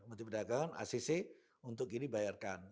menteri perdagangan acc untuk gini bayarkan